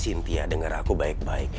cynthia dengar aku baik baik